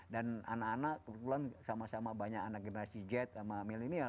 dan anak anak kebetulan sama sama banyak anak generasi z sama milenial